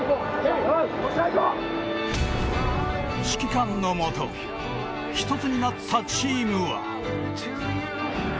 指揮官のもと１つになったチームは。